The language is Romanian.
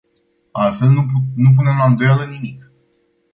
Altfel, nu punem la îndoială nimic.